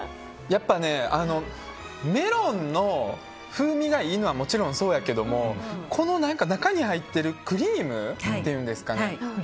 やっぱねメロンの風味がいいのはもちろんそうやけども中に入ってるクリームっていうんですかね。